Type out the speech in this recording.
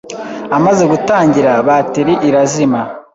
amaze gutangira bateri irazima